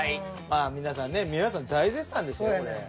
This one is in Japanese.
まあ皆さんね皆さん大絶賛でしたよねこれ。